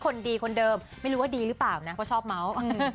คนดีคนเดิมไม่รู้ว่าดีหรือเปล่านะเพราะชอบเมาส์